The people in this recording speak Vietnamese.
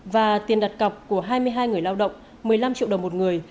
và tiền đặt cọc của hai mươi hai người lao động một mươi năm triệu đồng một người